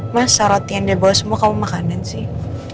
mas saroti yang dia bawa semua kamu makanan sih